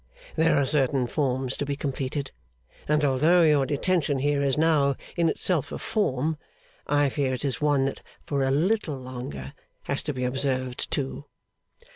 'There are certain forms to be completed; and although your detention here is now in itself a form, I fear it is one that for a little longer has to be observed too.